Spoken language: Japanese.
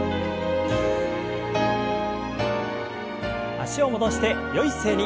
脚を戻してよい姿勢に。